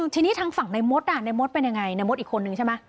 ทีนี้ทางฝั่งในมดในมดเป็นยังไงในมดอีกคนนึงใช่ไหม